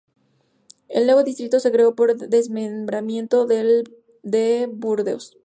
El nuevo distrito se creó por desmembramiento del de Burdeos.